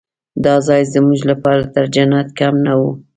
دا ځای زموږ لپاره تر جنت کم نه و.